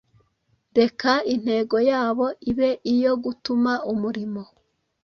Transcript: Reka intego yabo ibe iyo gutuma umurimo